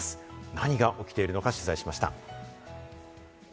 何が起きているのか取材しました。